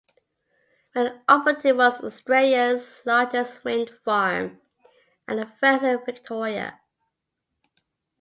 When opened it was Australia's largest wind farm and the first in Victoria.